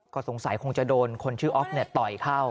ก็สงสัยคงจะโดนคนชื่ออ๊อฟต่อยเข้า